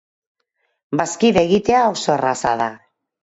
Bazkide egitea oso erraza da.